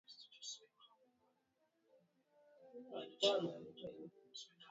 Kwa upande wa redio inatangaza saa mbili